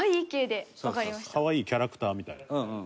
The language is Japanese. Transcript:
可愛いキャラクターみたいな。